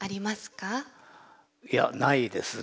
いやないですね。